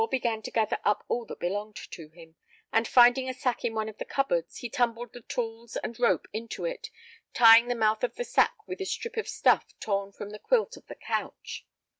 John Gore began to gather up all that belonged to him, and, finding a sack in one of the cupboards, he tumbled the tools and rope into it, tying the mouth of the sack with a strip of stuff torn from the quilt of the couch.